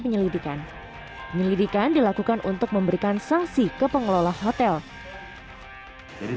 penyelidikan penyelidikan dilakukan untuk memberikan sanksi ke pengelola hotel jadi